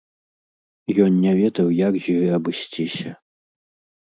Ён не ведаў, як з ёй абысціся.